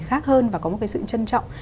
khác hơn và có một cái sự trân trọng